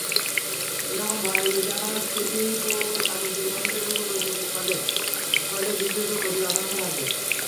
এরকম ভয়-দেখানো চিঠিতে চাটুজ্যে-বংশের উপর উলটো ফলে ফলে, বিশেষত ক্ষতির আশঙ্কা থাকলে।